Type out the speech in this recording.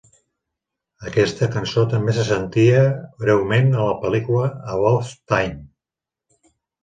Aquesta cançó també se sentia breument a la pel·lícula "About Time".